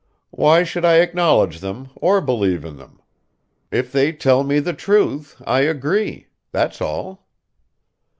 "Why should I acknowledge them, or believe in them? If they tell me the truth, I agree that's all."